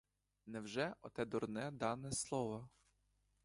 Невже оте дурне дане слово?